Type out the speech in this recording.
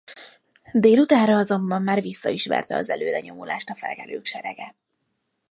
Délutánra azonban már vissza is verte az előrenyomulást a felkelők serege.